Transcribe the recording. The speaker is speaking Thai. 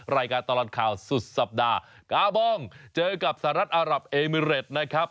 รายการตลอดข่าวสุดสัปดาห์กาบองเจอกับสหรัฐอารับเอมิเรตนะครับ